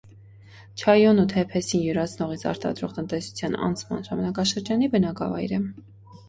Չայոնու թեփեսին յուրացնողից արտադրող տնտեսության անցման ժամանակաշրջանի բնակավայր է։